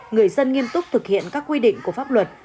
người dân nghiêm túc thực hiện các quy định của pháp luật